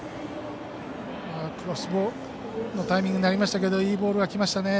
クロスのタイミングになりましたけどいいボールがきましたね。